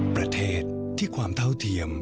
ประเทศที่ความเท่าเทียม